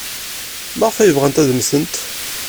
Maɣef ay bɣant ad mmtent?